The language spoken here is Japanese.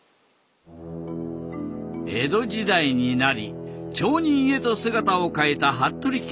江戸時代になり町人へと姿を変えた服部家。